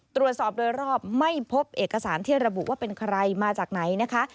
ตรวจสอบโดยรอบไม่พบเอกสารที่ระบุว่าเป็นใครมาจากไหนนะคะ